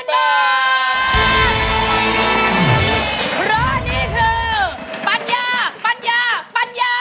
แจ้ว